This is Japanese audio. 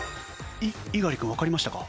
猪狩君わかりましたか？